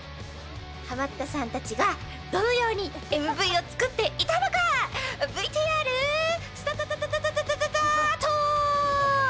ハマったさんたちがどのようにＭＶを作っていたのかＶＴＲスタタタタタタート！